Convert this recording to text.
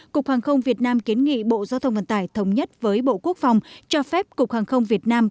cục hàng không việt nam kiến nghị bộ giao thông vận tải thống nhất với bộ quốc phòng cho phép cục hàng không việt nam